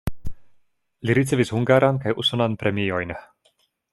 Li ricevis hungaran kaj usonan premiojn.